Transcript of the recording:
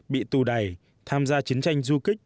bị tù đầy tham gia chiến tranh du kích